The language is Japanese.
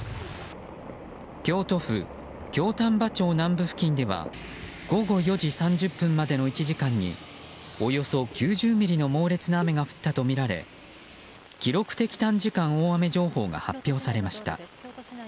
京都府京丹波町南部付近では午後４時３０分までの１時間におよそ９０ミリの猛烈な雨が降ったとみられ記録的短時間大雨情報が発表されました。